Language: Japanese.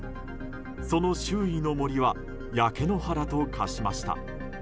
その周囲の森は焼け野原と化しました。